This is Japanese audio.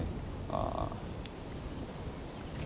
ああ。